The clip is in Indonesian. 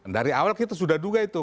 dari awal kita sudah duga itu